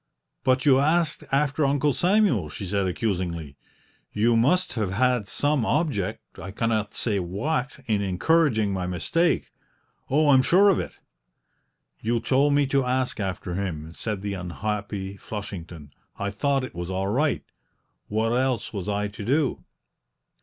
"But you asked after Uncle Samuel?" she said accusingly. "You must have had some object I cannot say what in encouraging my mistake; oh, I'm sure of it!" "You told me to ask after him," said the unhappy Flushington; "I thought it was all right. What else was I to do?"